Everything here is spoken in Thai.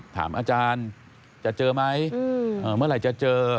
ถามอาจารย์จะเจอไหมเมื่อไหร่จะเจอ